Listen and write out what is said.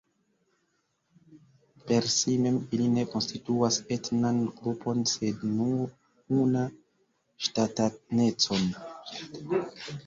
Per si mem ili ne konstituas etnan grupon sed nur una ŝtatanecon.